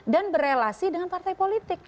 dan berrelasi dengan partai politik